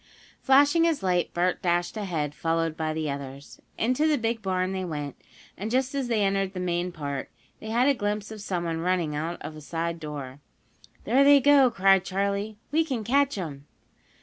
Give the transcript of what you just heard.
Flashing his light, Bert dashed ahead, followed by the others. Into the big barn they went, and, just as they entered the main part, they had a glimpse of someone running out of a side door. "There they go!" cried Charley. "We can catch 'em!"